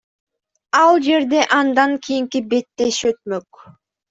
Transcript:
Ал жерде андан кийинки беттеш өтмөк.